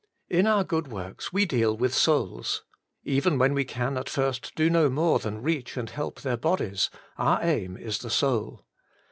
In our good works we deal with souls. Even when we can at first do no more than reach and help their bodies, our aim is the soul.